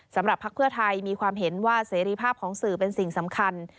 พักเพื่อไทยมีความเห็นว่าเสรีภาพของสื่อเป็นสิ่งสำคัญ